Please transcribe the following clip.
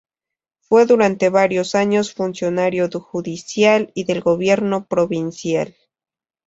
Fue durante varios años funcionario judicial y del gobierno provincial.